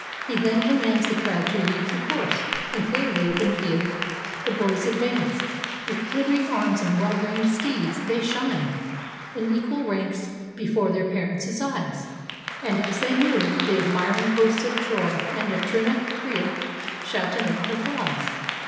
He then commands the crowd to leave the course, And clear the open field. The boys advance; With glittering arms and well reined steeds they shine In equal ranks before their parents' eyes; And as they move, the admiring hosts of Troy And of Trinacria shout in loud applause.